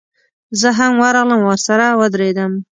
زه هم ورغلم او ورسره ودرېدم.